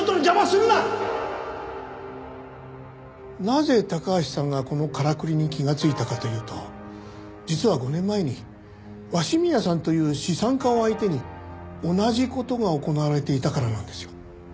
なぜ高橋さんがこのからくりに気がついたかというと実は５年前に鷲宮さんという資産家を相手に同じ事が行われていたからなんですよ。